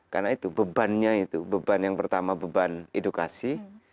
karena itu bebannya itu beban yang pertama beban edukasi